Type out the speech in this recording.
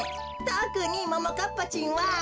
とくにももかっぱちんは。